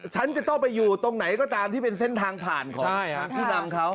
ฉันจะต้องไปอยู่ตรงไหนก็ตามที่เป็นเส้นทางผ่านของผู้นำเขา